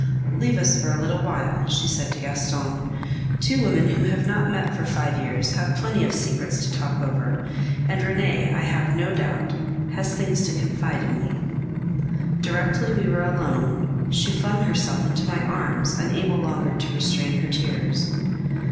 "Leave us for a little," she said to Gaston. "Two women who have not met for five years have plenty of secrets to talk over, and Renee, I have no doubt, has things to confide in me." Directly we were alone, she flung herself into my arms, unable longer to restrain her tears.